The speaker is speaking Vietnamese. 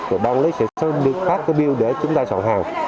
rồi bang lý sẽ phát biêu để chúng ta sọng hàng